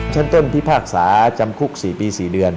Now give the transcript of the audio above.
ชั้นต้นพิพากษาจำคุก๔ปี๔เดือน